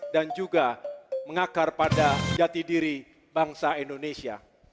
dan juga mengakar pada jati diri bangsa indonesia